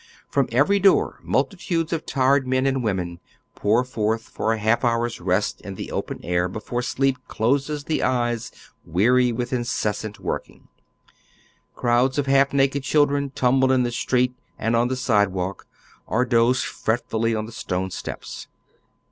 From evei y door mnttitndes of tired men and women pour forth for a half hour's rest in the open air before sleep closes the eyes weary with incessant working. Crowds of half naked children tumble in the street and on the sidewalk, or doze fretfully on the stone steps.